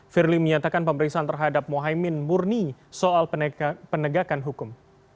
firly menyatakan pemeriksaan terhadap mohaimin murni soal penegakan hukum